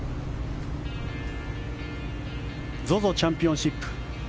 ＺＯＺＯチャンピオンシップ。